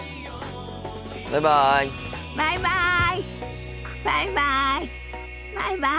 バイバイ。